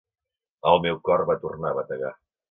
El meu cor va tornar a bategar.